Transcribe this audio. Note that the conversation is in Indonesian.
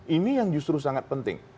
ini yang justru sangat penting